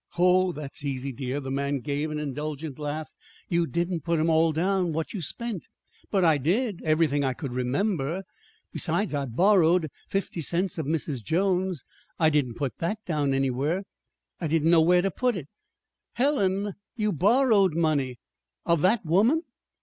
"Ho, that's easy, dear!" The man gave an indulgent laugh. "You didn't put 'em all down what you spent." "But I did everything I could remember. Besides, I borrowed fifty cents of Mrs. Jones. I didn't put that down anywhere. I didn't know where to put it." "Helen! You borrowed money of that woman?"